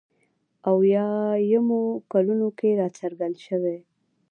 اویایمو کلونو کې راڅرګندې شوې.